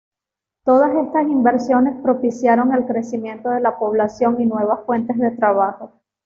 Todas estas inversiones propiciaron el crecimiento de la población y nuevas fuentes de trabajo.